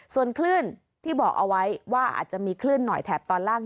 ส่วนคลื่นที่บอกเอาไว้ว่าอาจจะมีคลื่นหน่อยแถบตอนล่าง